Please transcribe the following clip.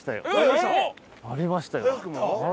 ありましたよ。